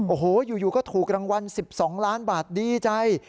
โอ้โหอยู่ก็ถูกรางวัล๑๒ล้านบาทดีใจ